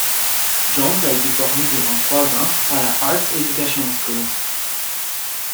Jones a été formé durant trois ans à la Arts Educational Schools.